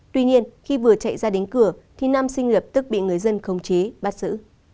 tuy nhiên khi vừa chạy ra đến cửa thì nam sinh lập tức bị người dân khống chế bắt xử